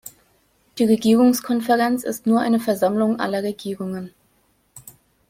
Die Regierungskonferenz ist nur eine Versammlung aller Regierungen.